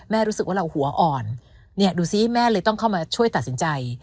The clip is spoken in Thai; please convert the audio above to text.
รู้สึกว่าเราหัวอ่อนเนี่ยดูสิแม่เลยต้องเข้ามาช่วยตัดสินใจ